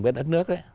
với đất nước ấy